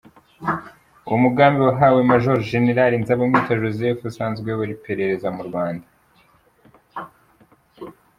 Uwo mugambi wahawe Major Gen Nzabamwita Joseph usanzwe uyobora iperereza mu Rwanda.